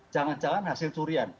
jangan jangan hasil curian